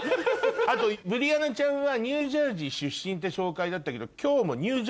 あとブリアナちゃんはニュージャージー出身って紹介だったけど。